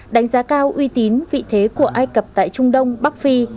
đánh giá cao uy tín vị thế của ai cập tại trung đông bắc phi